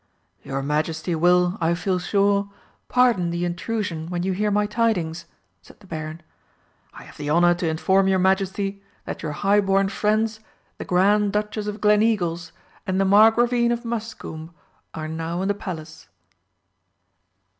"Your Majesty will, I feel sure, pardon the intrusion when you hear my tidings," said the Baron. "I have the honour to inform your Majesty that your high born friends, the Grand Duchess of Gleneagles and the Margravine of Muscombe, are now in the Palace!"